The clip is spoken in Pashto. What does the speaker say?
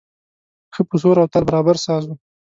ښه په سور او تال برابر ساز و.